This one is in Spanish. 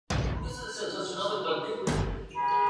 El Presidente de El Salvador era el General Tomás Regalado.